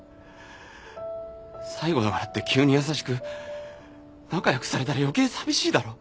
最後だからって急に優しく仲良くされたら余計寂しいだろ。